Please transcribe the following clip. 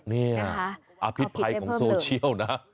นี่อภิษภัยของโซเชียลนะ